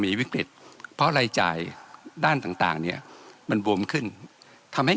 มีวิกฤตเพราะรายจ่ายด้านต่างต่างเนี่ยมันบวมขึ้นทำให้